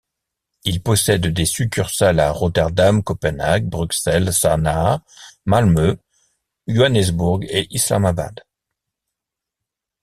Il possède des succursales à Rotterdam, Copenhague, Bruxelles, Sanaa, Malmö, Johannesburg et Islamabad.